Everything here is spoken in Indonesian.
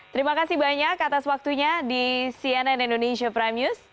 terima kasih banyak atas waktunya di cnn indonesia prime news